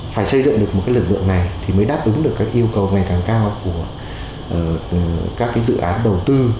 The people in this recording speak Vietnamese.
phải xây dựng được một lực lượng này thì mới đáp ứng được các yêu cầu ngày càng cao của các dự án đầu tư